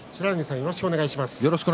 よろしくお願いします。